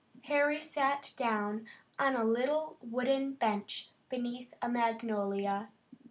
Harry sat down on a little wooden bench beneath a magnolia.